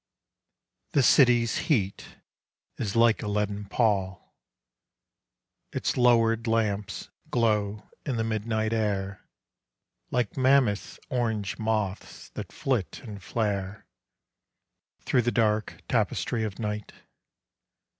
PROGRESS. THE city's heat is like a leaden pall — Its lowered lamps glow in the midnight air Like mammoth orange moths that flit and flare Through the dark tapestry of night.